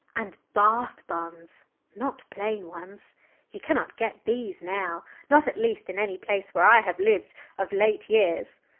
And Bath buns, not plain ones. You cannot get these now not at least in any place where I have lived of late years.